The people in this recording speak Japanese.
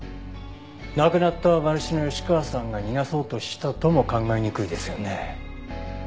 亡くなった馬主の吉川さんが逃がそうとしたとも考えにくいですよね。